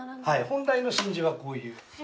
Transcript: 本来の真珠はこういう。